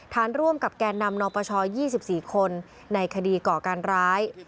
ร่วมกับแก่นำนปช๒๔คนในคดีก่อการร้าย